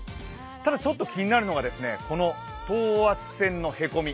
ただ、ちょっと気になるのが、等圧線の凹み。